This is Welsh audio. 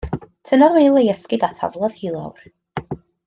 Tynnodd Wil ei esgid a thaflodd hi i lawr.